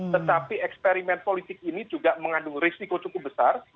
tetapi eksperimen politik ini juga mengandung risiko cukup besar